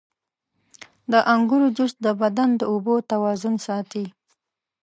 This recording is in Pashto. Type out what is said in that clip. • د انګورو جوس د بدن د اوبو توازن ساتي.